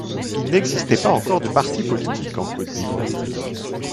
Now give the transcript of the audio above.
Il n'existait pas encore de partis politiques en Côte-d'Ivoire.